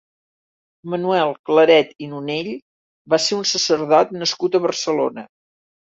Manuel Claret i Nonell va ser un sacerdot nascut a Barcelona.